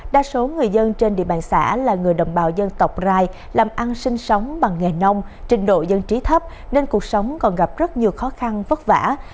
đa số người dân trên địa bàn xã là người đồng bào dân tộc rai làm ăn sinh sống bằng nghề nông trình độ dân trí thấp nên cuộc sống còn gặp rất nhiều khó khăn vất vả